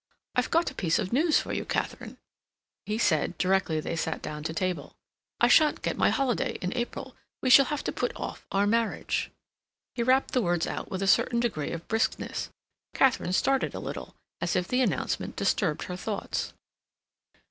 "I've got a piece of news for you, Katharine," he said directly they sat down to table; "I shan't get my holiday in April. We shall have to put off our marriage." He rapped the words out with a certain degree of briskness. Katharine started a little, as if the announcement disturbed her thoughts.